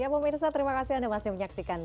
pemirsa jangan kemana mana